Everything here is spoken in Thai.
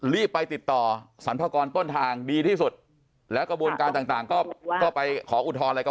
รีบไปติดต่อสรรพากรต้นทางดีที่สุดแล้วกระบวนการต่างก็ไปขออุทธรณ์อะไรก็